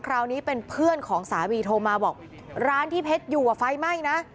คราวนี้เป็นเพื่อนของสามีโทรมาบอกร้านที่เพชรอยู่ไฟไหม้นะ